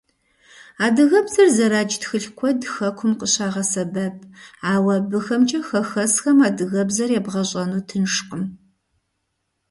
Адыгэбзэр зэрадж тхылъ куэд хэкум къыщагъэсэбэп, ауэ абыхэмкӀэ хэхэсхэм адыгэбзэр ебгъэщӀэну тыншкъым.